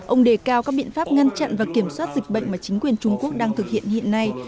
ông đề cao các biện pháp ngăn chặn và kiểm soát dịch bệnh mà chính quyền trung quốc đang thực hiện hiện nay